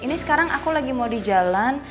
ini sekarang aku lagi mau di jalan